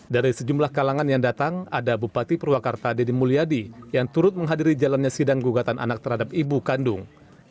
dari sejumlah kalangan yang datang ada bupati purwakarta deddy mulyadi yang turut menghadiri jalannya sidang gugatan anak terhadap ibu kandung